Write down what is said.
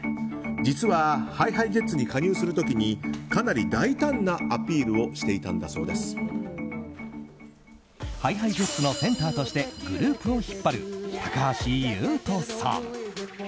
実はＨｉＨｉＪｅｔｓに加入する時にかなり大胆なアピールをしていたんだそうです。ＨｉＨｉＪｅｔｓのセンターとしてグループを引っ張る高橋優斗さん。